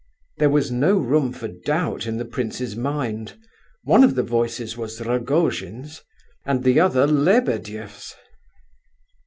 There was no room for doubt in the prince's mind: one of the voices was Rogojin's, and the other Lebedeff's.